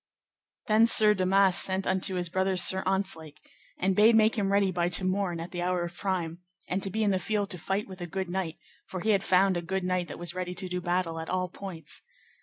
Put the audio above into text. Then Sir Damas sent unto his brother Sir Ontzlake, and bade make him ready by to morn at the hour of prime, and to be in the field to fight with a good knight, for he had found a good knight that was ready to do battle at all points.